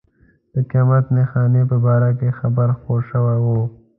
د قیامت نښانې په باره کې خبر خپور شوی و.